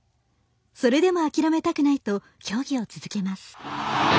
それでも諦めたくないと競技を続けます。